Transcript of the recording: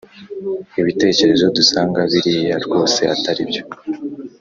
ibitekerezo dusanga biriya rwose atari byo